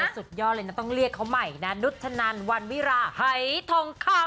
สุดยอดเลยนะต้องเรียกเขาใหม่นะนุชนันวันวิราหายทองคำ